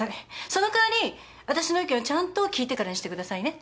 その代わり私の意見をちゃんと聞いてからにしてくださいね。